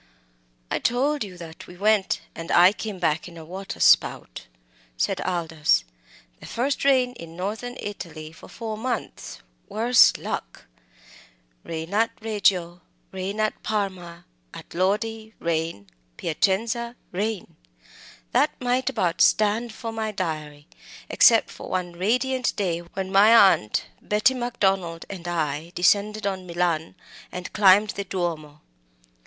"I told you that we went and I came back in a water spout," said Aldous; "the first rain in Northern Italy for four months worse luck! 'Rain at Reggio, rain at Parma. At Lodi rain, Piacenza rain!' that might about stand for my diary, except for one radiant day when my aunt, Betty Macdonald, and I descended on Milan, and climbed the Duomo."